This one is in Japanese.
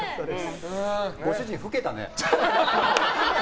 ご主人老けたね。